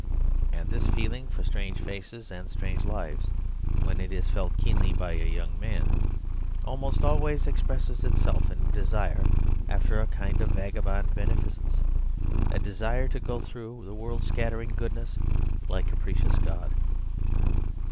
And this feeling for strange faces and strange lives, when it is felt keenly by a young man, almost always expresses itself in a desire after a kind of vagabond beneficence, a desire to go through the world scattering goodness like a capricious god.